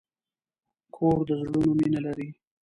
کور د زړونو مینه لري.